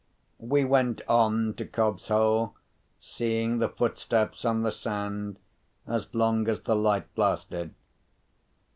We went on to Cobb's Hole, seeing the footsteps on the sand, as long as the light lasted.